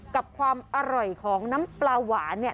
กับความอร่อยของน้ำปลาหวานเนี่ย